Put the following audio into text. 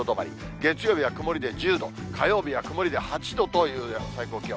月曜日は曇りで１０度、火曜日は曇りで８度という最高気温。